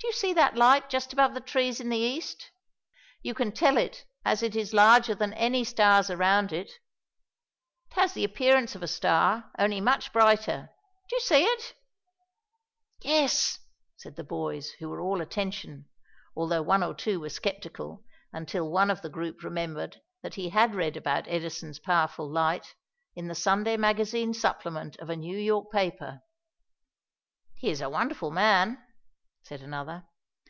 Do you see that light just above the trees in the East. You can tell it as it is larger than any stars around it. It has the appearance of a star only much brighter. Do you see it?" "Yes," said the boys who were all attention, although one or two were skeptical until one of the group remembered that he had read about Edison's powerful light in the Sunday magazine supplement of a New York paper. "He is a wonderful man," said another.